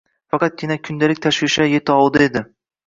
Faqatgina kundalik tashvishlar yetovida edi.